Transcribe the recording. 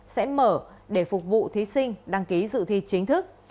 sẽ mở để phục vụ thí sinh đăng ký dự thi chính thức